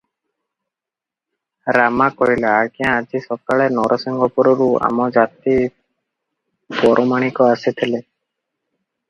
ରାମା କହିଲା, "ଆଜ୍ଞା ଆଜି ସକାଳେ ନରସିଂହପୁରରୁ ଆମ ଜାତି ପରମାଣିକ ଆସିଥିଲେ ।